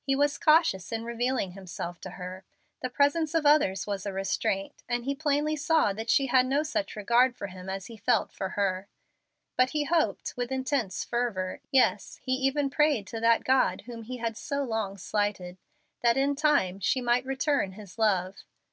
He was cautious in revealing himself to her. The presence of others was a restraint, and he plainly saw that she had no such regard for him as he felt for her. But he hoped with intense fervor yes, he even prayed to that God whom he had so long slighted that in time she might return his love.